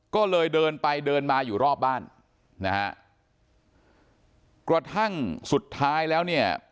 ก็เลยเดินไปเดินมาอยู่รอบบ้านนะฮะกระทั่งสุดท้ายแล้วเนี่ย